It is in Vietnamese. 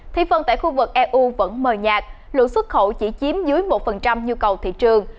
thị phần tại khu vực eu vẫn mờ nhạt lượng xuất khẩu chỉ chiếm dưới một nhu cầu thị trường